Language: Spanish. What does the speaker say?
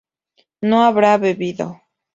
no habrá bebido